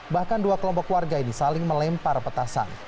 bahkan dua kelompok warga ini saling melempar petasan